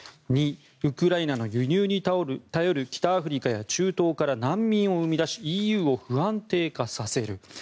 ２、ウクライナの輸入に頼る北アフリカや中東から難民を生み出しＥＵを不安定化させる。